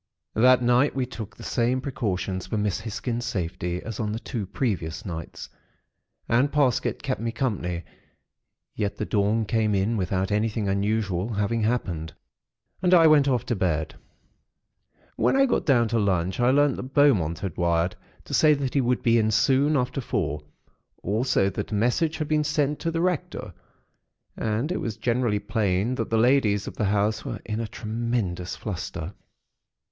"That night, we took the same precautions for Miss Hisgins' safety, as on the two previous nights; and Parsket kept me company; yet the dawn came in without anything unusual having happened, and I went off to bed. "When I got down to lunch, I learnt that Beaumont had wired to say that he would be in soon after four; also that a message had been sent to the Rector. And it was generally plain that the ladies of the house were in a tremendous fluster.